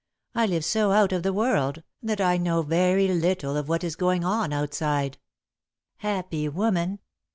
I live so out of the world, that I know very little of what is going on outside." "Happy woman!